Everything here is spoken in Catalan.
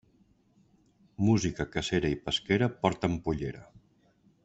Música, cacera i pesquera porten pollera.